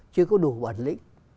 chưa có đủ quản lý